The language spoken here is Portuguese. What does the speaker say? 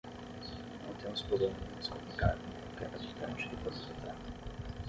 Não temos problema em nos comunicar com qualquer habitante do planeta Terra.